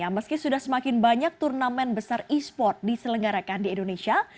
meski sudah semakin banyak turnamen besar e sport diselenggarakan di indonesia